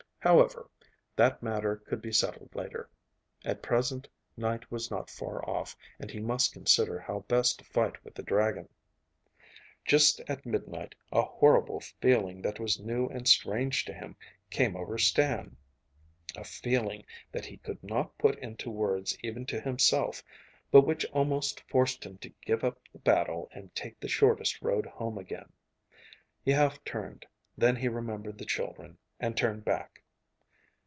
However, that matter could be settled later. At present night was not far off, and he must consider how best to fight with the dragon. Just at midnight, a horrible feeling that was new and strange to him came over Stan a feeling that he could not put into words even to himself, but which almost forced him to give up the battle and take the shortest road home again. He half turned; then he remembered the children, and turned back.